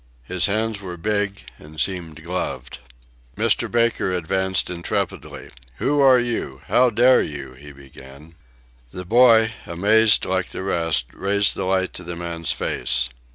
His hands were big and seemed gloved. Mr. Baker advanced intrepidly. "Who are you? How dare you..." he began. The boy, amazed like the rest, raised the light to the man's face.